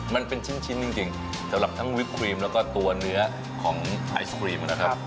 มันเป็นชิ้นจริงสำหรับทั้งวิปครีมแล้วก็ตัวเนื้อของไอศครีมนะครับ